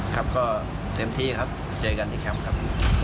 ครับก็เต็มที่ครับเจอกันที่แคมป์ครับ